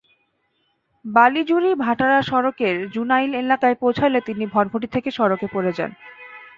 বালিজুরি-ভাটারা সড়কের জুনাইল এলাকায় পৌঁছালে তিনি ভটভটি থেকে সড়কে পড়ে যান।